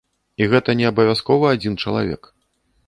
І гэта не абавязкова адзін чалавек.